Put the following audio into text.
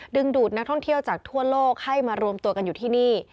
ดูดนักท่องเที่ยวจากทั่วโลกให้มารวมตัวกันอยู่ที่นี่